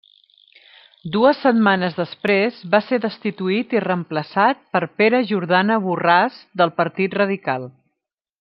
Dues setmanes després va ser destituït i reemplaçat per Pere Jordana Borràs del Partit Radical.